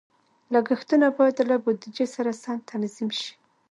لګښتونه باید له بودیجې سره سم تنظیم شي.